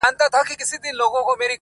جهاني سجدې به یو سم د پلرونو ترمحرابه؛